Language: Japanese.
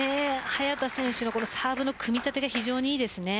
早田選手の、このサーブの組み立てが非常にいいです。